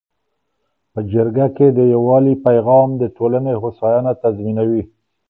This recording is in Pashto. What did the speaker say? په جرګه کي د یووالي پیغام د ټولنې هوساینه تضمینوي.